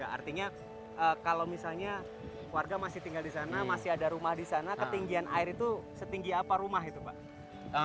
artinya kalau misalnya warga masih tinggal di sana masih ada rumah di sana ketinggian air itu setinggi apa rumah itu pak